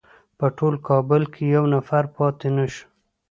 په ټول کابل کې یو نفر پاتې نه شو.